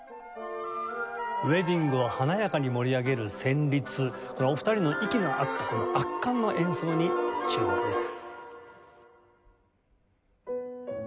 ウェディングを華やかに盛り上げる旋律お二人の息の合ったこの圧巻の演奏に注目です。